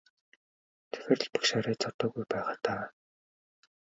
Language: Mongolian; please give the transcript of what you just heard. Захирал багш арай зодоогүй байгаа даа.